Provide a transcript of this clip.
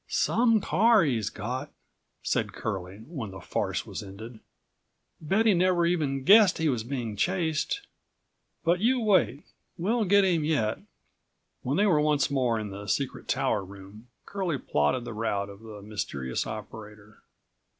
"Some car he's got!" said Curlie when the62 farce was ended. "Bet he never even guessed he was being chased. But you wait; we'll get him yet." When they were once more in the secret tower room Curlie plotted the route of the mysterious operator.